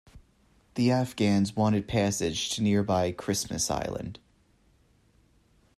The Afghans wanted passage to nearby Christmas Island.